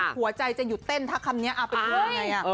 หัวใจจะหยุดเต้นทักคำนี้อาเปดว่าไง